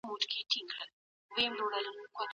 ایا بهرني سوداګر تور ممیز پروسس کوي؟